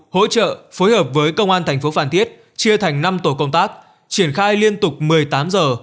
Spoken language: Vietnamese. hỗ trợ phối hợp với công an thành phố phan thiết chia thành năm tổ công tác triển khai liên tục một mươi tám giờ